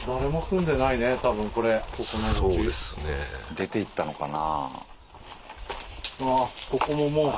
出ていったのかな？